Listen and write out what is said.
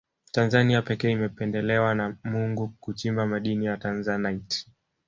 tanzania pekee imependelewa na mungu kuchimba madini ya tanzanite